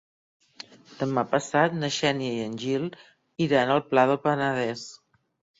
Demà passat na Xènia i en Gil iran al Pla del Penedès.